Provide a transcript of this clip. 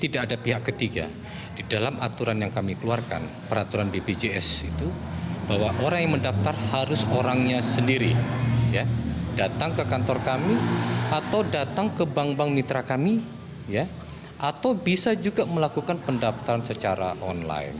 datang ke bank bank mitra kami atau bisa juga melakukan pendaftaran secara online